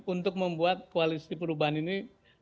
untuk membuat koalisi perubahan ini